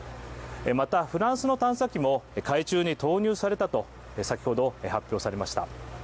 またフランスの探査機も海中に投入されたと先ほど発表されました。